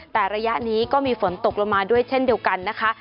แต่ระยะนี้ก็มีฝนตกลงมาด้วยเช่นเดียวกันนะคะ